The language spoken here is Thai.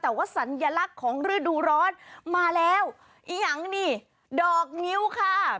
แต่ว่าสัญลักษณ์ของฤดูร้อนมาแล้วอีกอย่างนี่ดอกงิ้วค่ะ